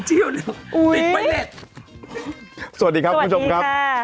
สวัสดีครับคุณผมค่ะ